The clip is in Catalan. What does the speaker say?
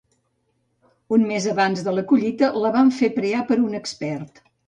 Un mes abans de la collita, la van fer prear per un expert.